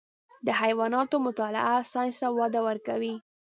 د حیواناتو مطالعه ساینس ته وده ورکوي.